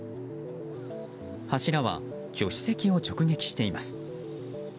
柱は助手席を直撃しています。